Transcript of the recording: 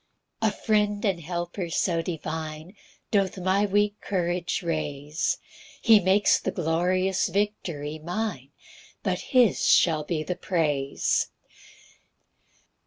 3 A friend and helper so divine Doth my weak courage raise; He makes the glorious victory mine, And his shall be the praise.